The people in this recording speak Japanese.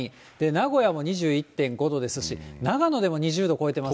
名古屋も２１．５度ですし、長野でも２０度を超えてます。